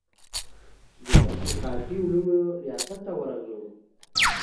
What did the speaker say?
د تحقیقاتي علومو ریاست ته ورغلو.